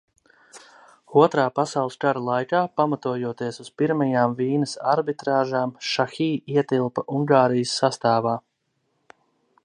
Otrā pasaules kara laikā, pamatojoties uz Pirmajām Vīnes arbitrāžām, Šahi ietilpa Ungārijas sastāvā.